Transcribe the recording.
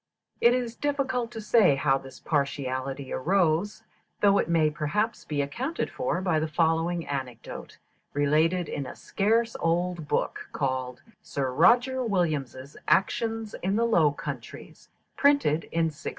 It is difficult to say how this partiality arose, though it may perhaps be accounted for by the following anecdote, related in a scarce old book, called "Sir Roger Williams' Actions in the Low Countries," printed in 1618.